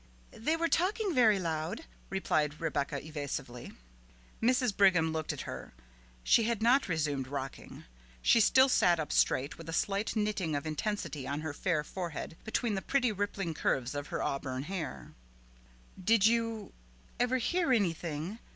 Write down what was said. "They were talking very loud," replied Rebecca evasively. Mrs. Brigham looked at her. She had not resumed rocking. She still sat up straight, with a slight knitting of intensity on her fair forehead, between the pretty rippling curves of her auburn hair. "Did you ever hear anything?"